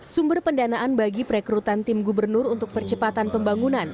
sumber pendanaan bagi perekrutan tim gubernur untuk percepatan pembangunan